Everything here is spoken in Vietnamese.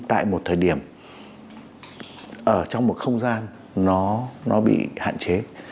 tại một thời điểm ở trong một không gian nó bị hạn chế